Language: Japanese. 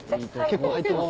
結構入ってます。